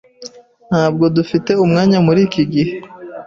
Ntabwo dufite umwanya muri iki gihe